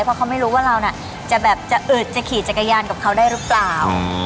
เพราะเขาไม่รู้ว่าเราจะแบบจะอึดจะขี่จักรยานกับเขาได้หรือเปล่า